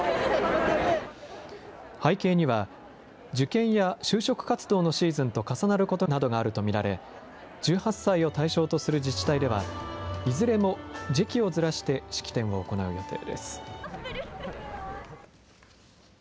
背景には、受験や就職活動のシーズンと重なることなどがあると見られ、１８歳を対象とする自治体では、いずれも時期をずらして式典を行う予定です。